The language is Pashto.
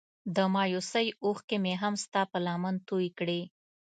د مايوسۍ اوښکې مې هم ستا په لمن توی کړې.